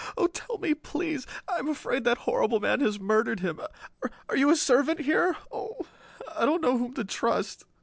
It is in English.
Oh, tell me, please! I am afraid that horrible man has murdered him. Are you a servant here? Oh, I don't know whom to trust."